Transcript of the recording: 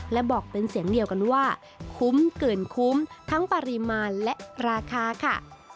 และบอกเป็นเสียงเดียวกันว่าคุ้มเกินคุ้มทั้งปริมาณและราคาค่ะ